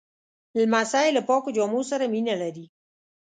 لمسی له پاکو جامو سره مینه لري.